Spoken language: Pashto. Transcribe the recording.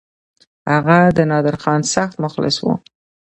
هغه د نادرخان سخت مخلص وو.